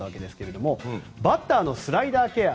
バッターのスライダーケア